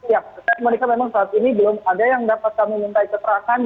ya saya menurut saya memang saat ini belum ada yang dapat kami minta ikat terangkan